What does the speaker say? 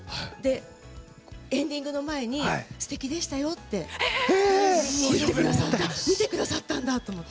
エンディングの前に「すてきでしたよ」って言ってくださって見てくださったんだって。